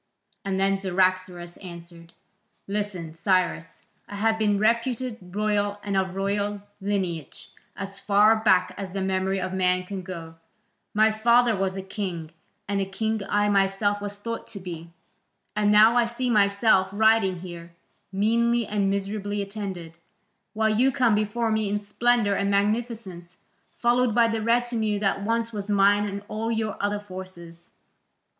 And then Cyaxares answered: "Listen, Cyrus; I have been reputed royal and of royal lineage as far back as the memory of man can go; my father was a king and a king I myself was thought to be; and now I see myself riding here, meanly and miserably attended, while you come before me in splendour and magnificence, followed by the retinue that once was mine and all your other forces.